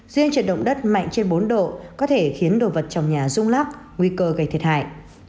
riêng trận động đất mạnh trên bốn độ có thể khiến đồ vật trong nhà rung lắc nguy cơ gây thiệt hại